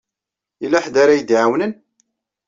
Yella ḥedd ara yi-d-iɛawnen?